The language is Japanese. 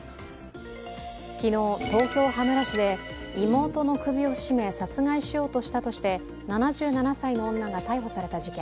昨日、東京・羽村市で妹の首を絞め殺害しようとしたとして７７歳の女が逮捕された事件。